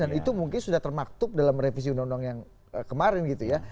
dan itu mungkin sudah termaktub dalam revisi undang undang yang kemarin gitu ya